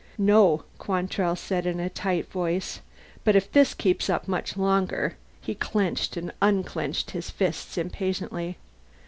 "No," Quantrell said in a tight voice. "But if this keeps up much longer " He clenched and unclenched his fists impatiently.